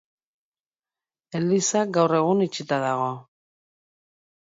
Eliza gaur egun itxita dago.